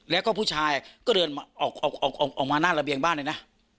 แล้วก็ผู้ชายก็เดินออกมาหน้าระเบียงบ้านเลยนะ